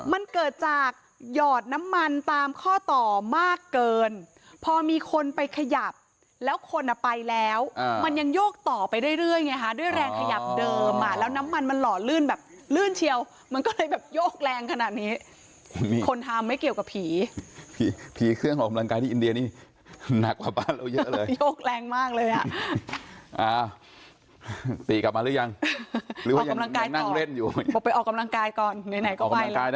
มันเกิดจากหยอดน้ำมันตามข้อต่อมากเกินพอมีคนไปขยับแล้วคนอ่ะไปแล้วอ่ามันยังโยกต่อไปเรื่อยเรื่อยไงฮะด้วยแรงขยับเดิมอ่าแล้วน้ำมันมันหล่อลื่นแบบลื่นเชียวมันก็เลยแบบโยกแรงขนาดนี้คนทำไม่เกี่ยวกับผีผีผีเครื่องออกกำลังกายที่อินเดียนี่หนักกว่าบ้านเราเยอะเลยโยกแรงมากเลยอ่